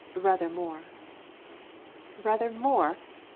"Rather more." "Rather more?